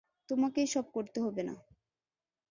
তোমাকেই সব করতে হবে না।